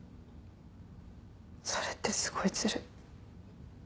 それってすごいズルい。